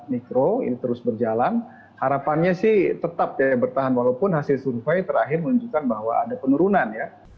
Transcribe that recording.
mikro ini terus berjalan harapannya sih tetap ya bertahan walaupun hasil survei terakhir menunjukkan bahwa ada penurunan ya